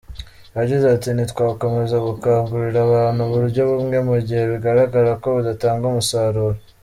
Yagize ati “Ntitwakomeza gukangurira abantu uburyo bumwe mu gihe bigaragara ko budatanga umusaruro.